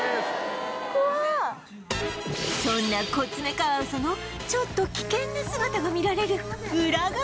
そんなコツメカワウソのちょっと危険な姿が見られるウラ側へ